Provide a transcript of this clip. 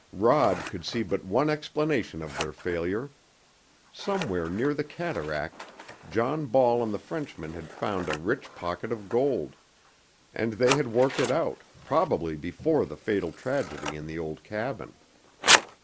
Rod could see but one explanation of their failure. Somewhere near the cataract John Ball and the Frenchmen had found a rich pocket of gold, and they had worked it out, probably before the fatal tragedy in the old cabin.